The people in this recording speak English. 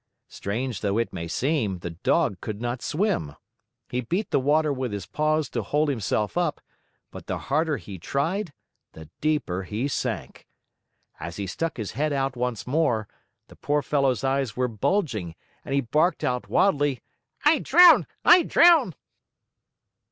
Strange though it may seem, the Dog could not swim. He beat the water with his paws to hold himself up, but the harder he tried, the deeper he sank. As he stuck his head out once more, the poor fellow's eyes were bulging and he barked out wildly, "I drown! I drown!"